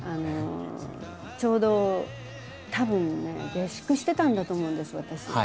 ちょうどたぶんね下宿してたんだと思うんです私。